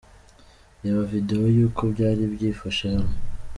Reba Video y'uko byari byifashe hano:.